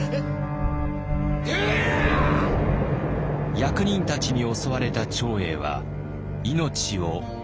役人たちに襲われた長英は命を落とします。